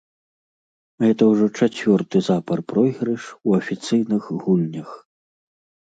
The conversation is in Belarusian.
Гэта ўжо чацвёрты запар пройгрыш у афіцыйных гульнях.